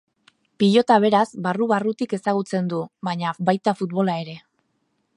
Pilota beraz, barru-barrutik ezagutzen du baina, baita futbola ere.